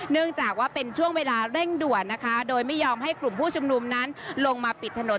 เนื่องจากว่าเป็นช่วงเวลาเร่งด่วนนะคะโดยไม่ยอมให้กลุ่มผู้ชุมนุมนั้นลงมาปิดถนน